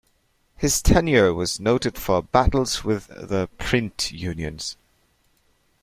His tenure was noted for battles with the print unions.